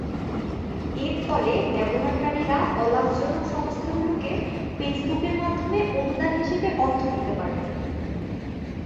এর ফলে ব্যবহারকারীরা অলাভজনক সংস্থাগুলোকে ফেসবুকের মাধ্যমে অনুদান হিসাবে অর্থ দিতে পারবেন।